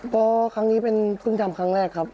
ก็ครั้งนี้เป็นเพิ่งทำครั้งแรกครับ